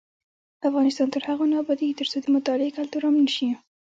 افغانستان تر هغو نه ابادیږي، ترڅو د مطالعې کلتور عام نشي.